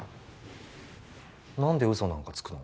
何で嘘なんかつくの？